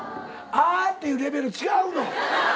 「あ」っていうレベル違うの。